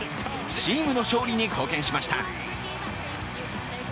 チームの勝利に貢献しました。